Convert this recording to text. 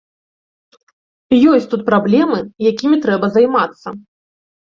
Ёсць тут праблемы, якімі трэба займацца.